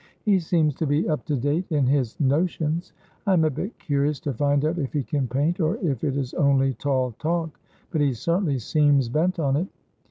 He seems to be up to date in his notions. I am a bit curious to find out if he can paint or if it is only tall talk, but he certainly seems bent on it.